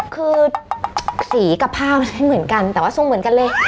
คือสีกับผ้ามันไม่เหมือนกันแต่ว่าทรงเหมือนกันเลย